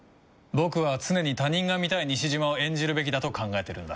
僕は常に他人が見たい西島を演じるべきだと考えてるんだ。